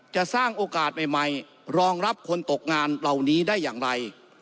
จะสร้างโอกาสใหม่รองรับคนตกงานเหล่านี้ได้อย่างไร